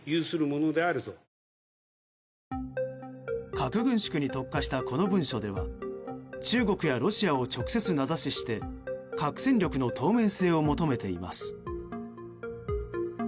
核軍縮に特化したこの文書では中国やロシアを直接名指しして核戦力の透明性を求めています。